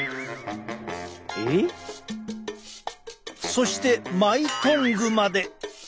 そしてマイトングまで！